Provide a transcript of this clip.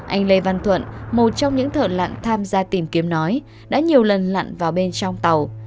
anh lê văn thuận một trong những thợ lặn tham gia tìm kiếm nói đã nhiều lần lặn vào bên trong tàu